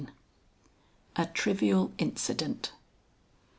A TRIVIAL INCIDENT.